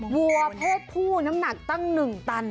วัวเพศผู้น้ำหนักตั้ง๑ตัน